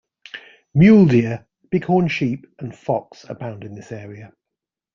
Mule deer, bighorn sheep and fox abound in this area.